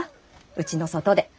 うちの外で。